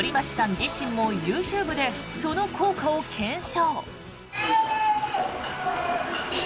自身もＹｏｕＴｕｂｅでその効果を検証。